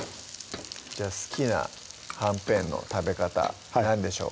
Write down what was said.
じゃあ好きなはんぺんの食べ方何でしょう？